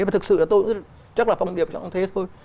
và thật sự chắc là phong điệp chẳng thế thôi